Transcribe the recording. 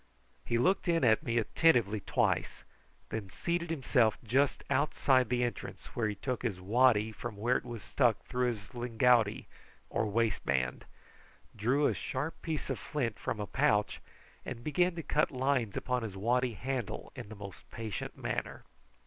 He looked in at me attentively twice, and then seated himself just outside the entrance, where he took his waddy from where it was stuck through his lingouti or waistband, drew a sharp piece of flint from a pouch, and began to cut lines upon his waddy handle in the most patient manner.